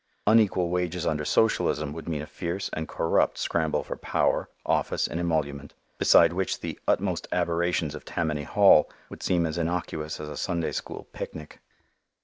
Unequal wages under socialism would mean a fierce and corrupt scramble for power, office and emolument, beside which the utmost aberrations of Tammany Hall would seem as innocuous as a Sunday School picnic.